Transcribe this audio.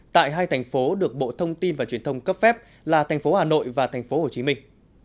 tại hai thành phố được bộ thông tin và truyền thông cấp phép là thành phố hà nội và thành phố hồ chí minh